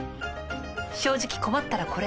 正直困ったらこれ。